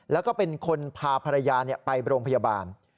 แล้วก็เป็นคนพาภรรยาไปโรงพยาบาล